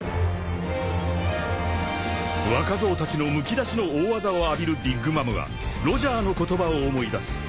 ［若造たちのむき出しの大技を浴びるビッグ・マムはロジャーの言葉を思い出す］